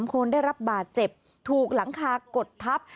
คนได้รับบาดเจ็บถูกหลังคากดทับ